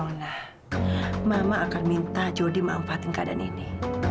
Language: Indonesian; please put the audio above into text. nona mama akan minta jody memanfaatin keadaan ini